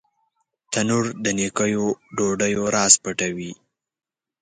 تنور د نیکو ډوډیو راز پټوي